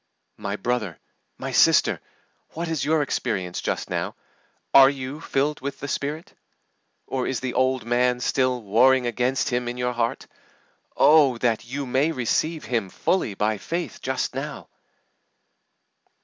My brother, my sister, what is your experience just now? Are you filled with the Spirit? Or is the old man still warring against Him in your heart? Oh, that you may receive Him fully by faith just now!